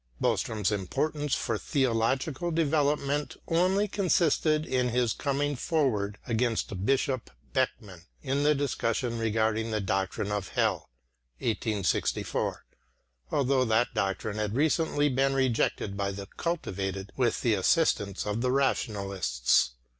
Boström's importance for theological development only consisted in his coming forward against Bishop Beckman in the discussion regarding the doctrine of hell (1864), although that doctrine had recently been rejected by the cultivated with the assistance of the rationalists.